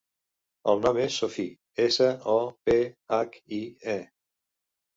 El nom és Sophie: essa, o, pe, hac, i, e.